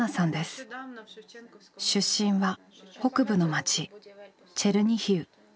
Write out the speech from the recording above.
出身は北部の町チェルニヒウ。